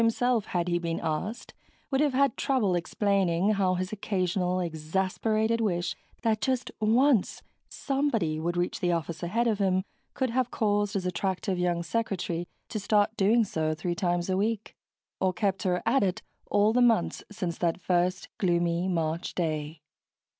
himself, had he been asked, would have had trouble explaining how his occasional exasperated wish that just once somebody would reach the office ahead of him could have caused his attractive young secretary to start doing so three times a week ... or kept her at it all the months since that first gloomy March day.